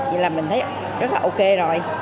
vậy là mình thấy rất là ok rồi